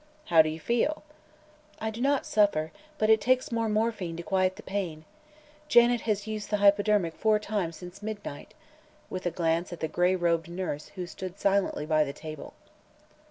"How do you feel?" "I do not suffer, but it takes more morphine to quiet the pain. Janet has used the hypodermic four times since midnight," with a glance at the gray robed nurse who stood silently by the table.